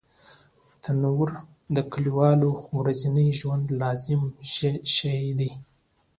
تنور د کلیوالو ورځني ژوند لازم شی دی